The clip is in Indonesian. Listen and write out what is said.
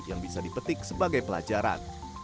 yang bisa dipetik sebagai pelajaran